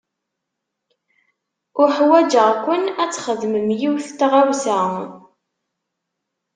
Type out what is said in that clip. Uḥwaǧeɣ-ken ad txedmem yiwet n tɣawsa.